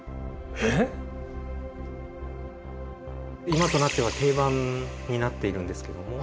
今となっては定番になっているんですけども。